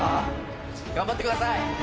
頑張ってください。